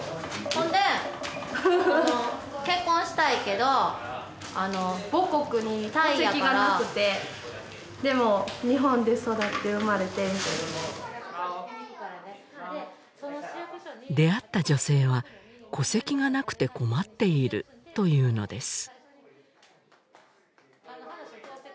ほんで結婚したいけど母国に戸籍がなくてタイやからでも日本で育って生まれて出会った女性は戸籍がなくて困っているというのです